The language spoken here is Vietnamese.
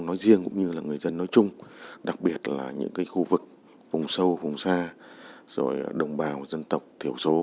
nói riêng cũng như là người dân nói chung đặc biệt là những cái khu vực vùng sâu vùng xa rồi đồng bào dân tộc thiểu số